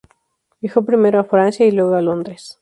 Viajó primero a Francia, y luego a Londres.